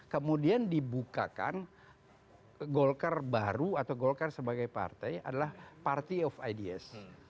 kemudian dibukakan golkar baru atau golkar sebagai partai adalah party of ideas